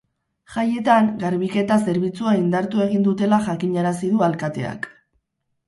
Jaietan, garbiketa zerbitzua indartu egin dutela jakinarazi du alkateak.